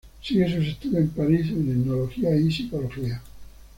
Sigue sus estudios en París en etnología y psicología.